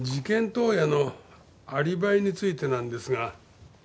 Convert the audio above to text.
当夜のアリバイについてなんですが。